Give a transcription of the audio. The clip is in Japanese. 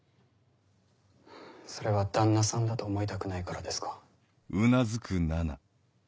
それは旦那さんだと思いたくないからですか？